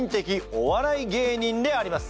お笑い芸人であります。